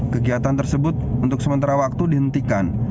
kegiatan tersebut untuk sementara waktu dihentikan